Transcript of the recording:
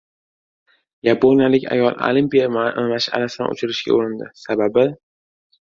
Yaponiyalik ayol Olimpiya mash’alasini o‘chirishga urindi. Sababi...